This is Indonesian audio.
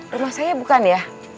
rumah saya bukan ya